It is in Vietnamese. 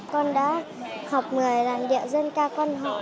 con đã học một mươi làn điệu dân ca quan họ